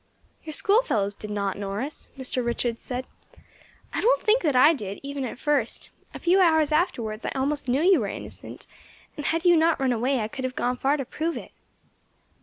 "Your schoolfellows did not, Norris," Mr. Richards said. "I don't think that I did, even at first; a few hours afterwards I almost knew you were innocent, and had you not run away I could have gone far to prove it."